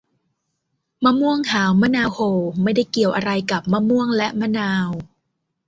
มะม่วงหาวมะนาวโห่ ไม่ได้เกี่ยวอะไรกับมะม่วงและมะนาว